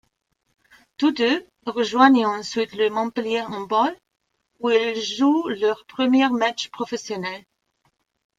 Tous deux rejoignent ensuite le Montpellier Handball où ils jouent leur premiers matchs professionnels.